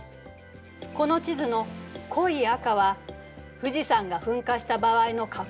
この地図の濃い赤は富士山が噴火した場合の火口が出来る範囲。